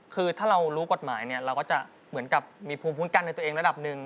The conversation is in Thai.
คือถ้าเรารู้กฎหมายเนี่ยเราก็จะเหมือนกับมีภูมิคุ้มกันในตัวเองระดับหนึ่ง